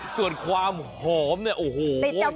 ส่วนความหอมเนี่ยติดจมูก